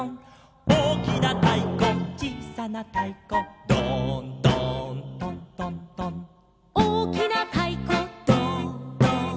「おおきなたいこちいさなたいこ」「ドーンドーントントントン」「おおきなたいこドーンドーン」